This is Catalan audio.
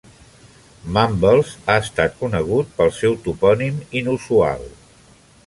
Mumbles ha estat conegut pel seu topònim inusual.